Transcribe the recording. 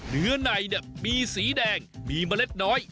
เนื้อในมีสีแดงมีเมล็ดน้อย